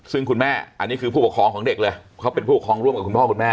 ซึ่งคุณแม่อันนี้คือผู้ปกครองของเด็กเลยเขาเป็นผู้ปกครองร่วมกับคุณพ่อคุณแม่